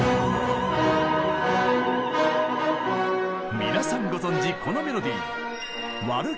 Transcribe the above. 皆さんご存じこのメロディー。